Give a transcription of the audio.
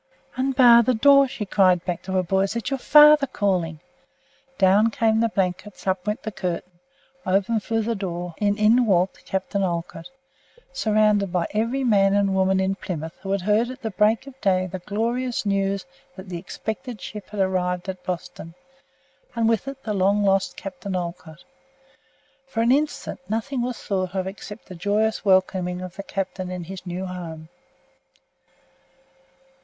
"Unbar the door!" she cried back to her boys; "it's your father calling!" Down came the blankets; up went the curtain; open flew the door, and in walked Captain Olcott, followed by every man and woman in Plymouth who had heard at break of day the glorious news that the expected ship had arrived at Boston, and with it the long lost Captain Olcott. For an instant nothing was thought of except the joyous welcoming of the Captain in his new home.